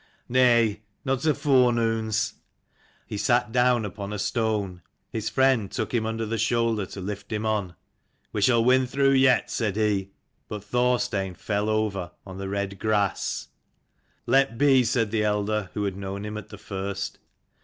" Nay, not a forenoon's." 295 CHAPTER XLIX. DUNMAIL RAISE. Me sat down upon a stone, JHis friend took him under the shoulder to lift him on. " We shall win through yet," said he. But Thorstein fell over on the red grass. " Let be," said the elder who had known him at the first.